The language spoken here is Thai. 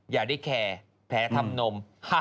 อย่าได้แคร์แผลทำนม